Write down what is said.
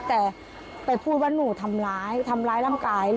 แต่ไปพูดว่าหนูทำร้ายทำร้ายร่างกาย